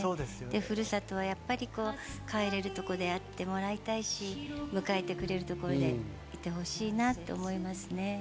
ふるさとはやっぱり帰れる所であってもらいたいし、迎えてくれるところであってほしいなと思いますね。